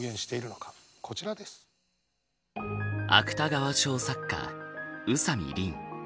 芥川賞作家宇佐見りん。